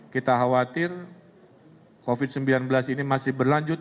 kita khawatir covid sembilan belas ini masih berlanjut